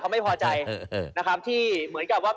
ไม่พอใจนะครับที่เหมือนกับว่า